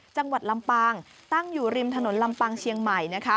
จังหวัดลำปางตั้งอยู่ริมถนนลำปางเชียงใหม่นะคะ